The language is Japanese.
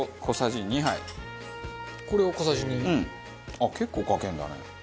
あっ結構かけるんだね。